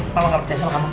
mama gak percaya sama kamu